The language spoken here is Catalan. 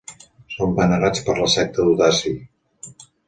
Són venerats per la secta Udasi.